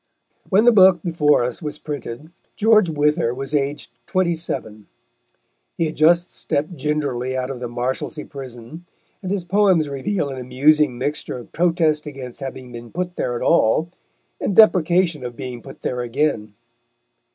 When the book before us was printed, George Wither was aged twenty seven. He had just stepped gingerly out of the Marshalsea Prison, and his poems reveal an amusing mixture of protest against having been put there at all and deprecation of being put there again.